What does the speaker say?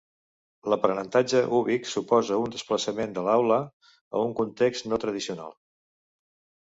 L'aprenentatge ubic suposa un desplaçament de l'aula a un context no tradicional.